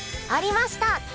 ありました！